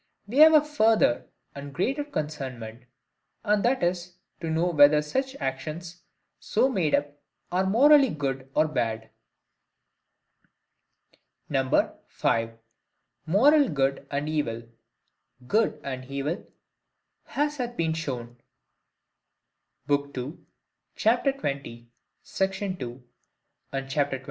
We have a further and greater concernment, and that is, to know whether such actions, so made up, are morally good or bad. 5. Moral Good and Evil. Good and evil, as hath been shown, (B. II. chap. xx. Section 2, and chap. xxi.